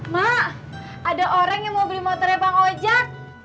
maaak ada orang yang mau beli motorebang ojak